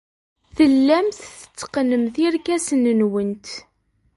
Tellamt tetteqqnemt irkasen-nwent.